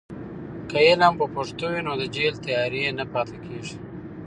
که علم په پښتو وي، نو د جهل تیارې نه پاتې کیږي.